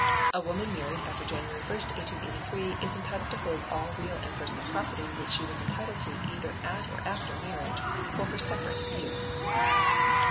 A woman married after January 1, 1883, is entitled to hold all real and personal property which she was entitled to either at or after marriage, for her separate use.